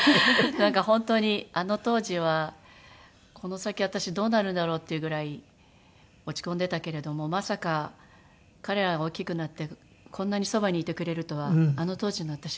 なんか本当にあの当時はこの先私どうなるんだろう？っていうぐらい落ち込んでたけれどもまさか彼らが大きくなってこんなにそばにいてくれるとはあの当時の私はね